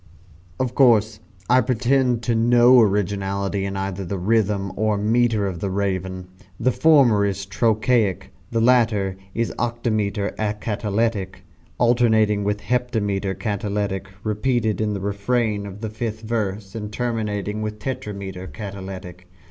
Of course I pretend to no originality in either the rhythm or metre of the "Raven." The former is trochaic the latter is octametre acatalectic, alternating with heptametre catalectic repeated in the refrain of the fifth verse, and terminating with tetrametre catalectic.